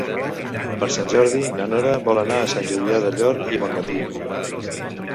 Per Sant Jordi na Nora vol anar a Sant Julià del Llor i Bonmatí.